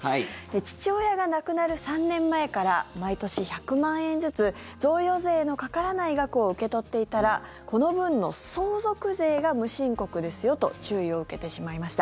父親が亡くなる３年前から毎年１００万円ずつ贈与税のかからない額を受け取っていたらこの分の相続税が無申告ですよと注意を受けてしまいました。